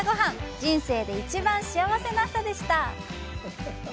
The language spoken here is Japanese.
人生で一番幸せな朝でした！